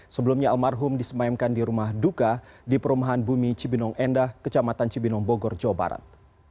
sebelumnya almarhum disemayamkan di rumah duka di perumahan bumi cibinong endah kecamatan cibinong bogor jawa barat